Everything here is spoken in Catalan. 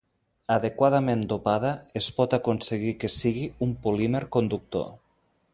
Adequadament dopada, es pot aconseguir que sigui un polímer conductor.